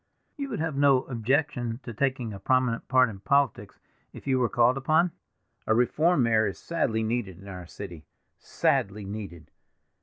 You would have no objection to taking a prominent part in politics, if you were called upon? A reform mayor is sadly needed in our city—sadly needed.